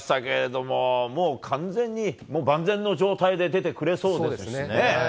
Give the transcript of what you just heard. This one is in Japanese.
もう完全に万全の状態で出てくれそうですね。